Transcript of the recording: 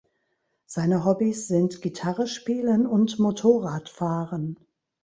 Seine Hobbys sind Gitarre spielen und Motorrad fahren.